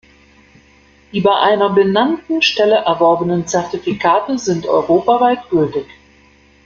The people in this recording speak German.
Die bei einer benannten Stelle erworbenen Zertifikate sind europaweit gültig.